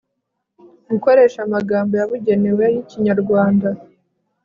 gukoresha amagambo yabugenewe y'ikinyarwanda